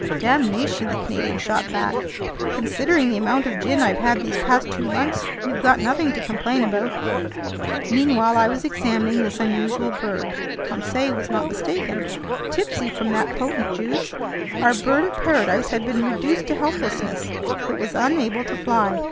"Damnation!" the Canadian shot back. "Considering the amount of gin I've had these past two months, you've got nothing to complain about!" Meanwhile I was examining this unusual bird. Conseil was not mistaken. Tipsy from that potent juice, our bird of paradise had been reduced to helplessness. It was unable to fly.